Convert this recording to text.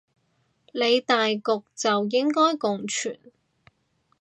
理大局就應該共存